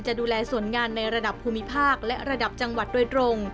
ดูแลส่วนงานในระดับภูมิภาคและระดับจังหวัดโดยตรง